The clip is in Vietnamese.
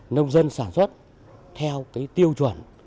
nông dân sản xuất theo tiêu chuẩn